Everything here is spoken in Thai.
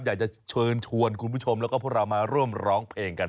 อยากจะเชิญชวนคุณผู้ชมแล้วก็พวกเรามาร่วมร้องเพลงกัน